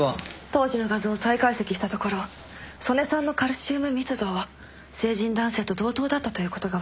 当時の画像を再解析したところ曽根さんのカルシウム密度は成人男性と同等だったということが分かりました。